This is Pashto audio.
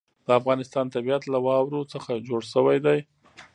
د افغانستان طبیعت له واورو څخه جوړ شوی دی.